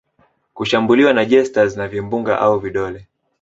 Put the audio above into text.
kushambuliwa na jesters na vimbunga au vidole